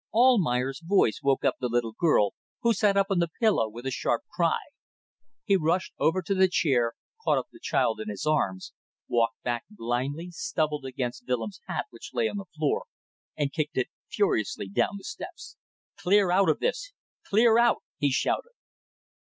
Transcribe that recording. Almayer's voice woke up the little girl, who sat up on the pillow with a sharp cry. He rushed over to the chair, caught up the child in his arms, walked back blindly, stumbled against Willems' hat which lay on the floor, and kicked it furiously down the steps. "Clear out of this! Clear out!" he shouted.